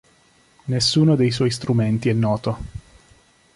Nessuno dei suoi strumenti è noto.